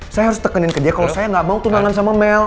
saya harus tekenin ke dia kalau saya gak mau tunangan sama mel